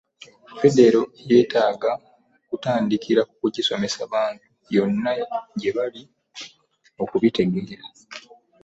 Ffedero yeetaaga kutandikira ku kugisomesa bantu yonna gye bali okubitegeera